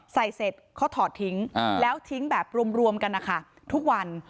เสร็จเขาถอดทิ้งแล้วทิ้งแบบรวมกันนะคะทุกวัน